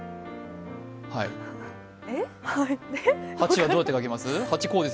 ８はどうやって書きます？